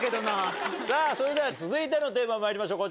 それでは続いてのテーマにまいりましょう。